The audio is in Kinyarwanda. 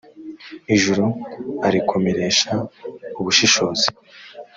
ijuru arikomeresha ubushishozi